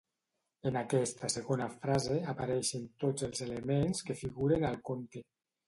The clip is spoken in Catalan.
En aquesta segona frase apareixen tots els elements que figuren al conte.